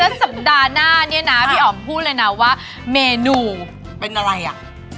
สัปดาห์หน้าเนี่ยนะพี่อ๋อมพูดเลยนะว่าเมนูเป็นอะไรอ่ะ